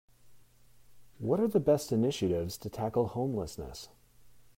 What are the best initiatives to tackle homelessness?